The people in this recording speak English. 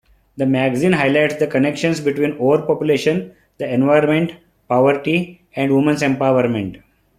The magazine highlights the connections between overpopulation, the environment, poverty, and women's empowerment.